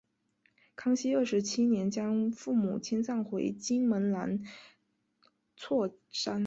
康熙二十七年将父母迁葬回金门兰厝山。